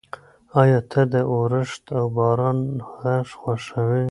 ایا ته د اورښت او باران غږ خوښوې؟